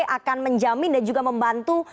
akan menjamin dan juga membantu